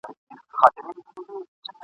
زه به ژوندی یم بهار به راسي !.